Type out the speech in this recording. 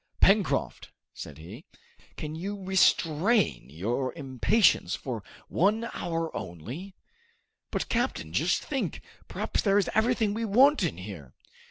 "Pencroft," said he, "can you restrain your impatience for one hour only?" "But, captain, just think! Perhaps there is everything we want in there!"